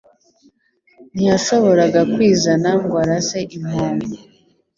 Ntiyashoboraga kwizana ngo arase impongo